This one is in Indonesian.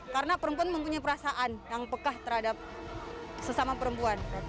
karena perempuan mempunyai perasaan yang pekah terhadap sesama perempuan